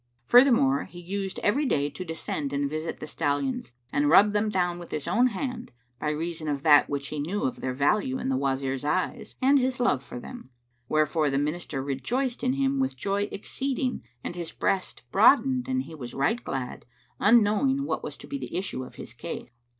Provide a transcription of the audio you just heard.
Furthermore, he used every day to descend and visit the stallions and rub them down with his own hand, by reason of that which he knew of their value in the Wazir's eyes and his love for them; wherefore the Minister rejoiced in him with joy exceeding and his breast broadened and he was right glad, unknowing what was to be the issue of his case.